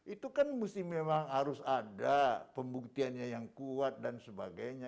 itu kan mesti memang harus ada pembuktiannya yang kuat dan sebagainya